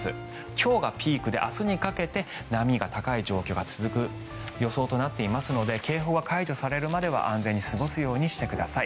今日がピークで明日にかけて波が高い状況が続く予想となっていますので警報が解除されるまでは安全に過ごすようにしてください。